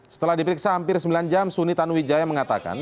setelah diperiksa hampir sembilan jam suni tanuwijaya mengatakan